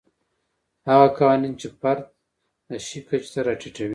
هغه قوانین چې فرد د شي کچې ته راټیټوي.